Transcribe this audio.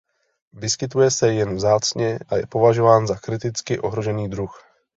Vyskytuje se jen vzácně a je považován za kriticky ohrožený druh.